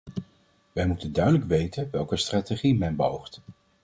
Wij moeten duidelijk weten welke strategie men beoogt.